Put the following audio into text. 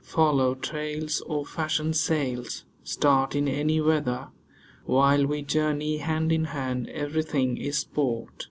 Follow trails, or fashion sails, start in any weather: While we journey hand in hand, everything is sport.